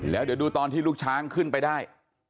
แล้วเดี๋ยวดูตอนที่ลูกช้างขึ้นไปได้